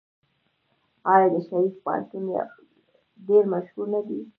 آیا د شریف پوهنتون ډیر مشهور نه دی؟